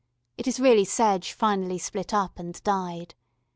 It is really sedge finely split up, and dyed.